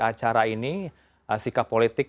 acara ini sikap politik